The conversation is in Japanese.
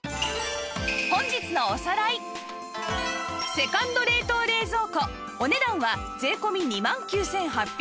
セカンド冷凍・冷蔵庫お値段は税込２万９８００円